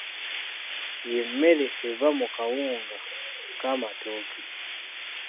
Ye mmere eva mu kawunga k'amatooke.